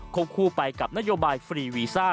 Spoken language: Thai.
คู่ไปกับนโยบายฟรีวีซ่า